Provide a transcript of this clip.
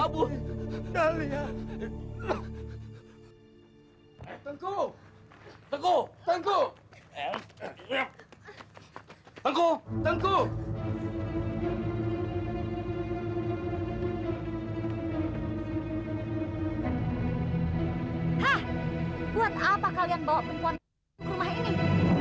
buat apa kalian bawa perempuan itu ke rumah ini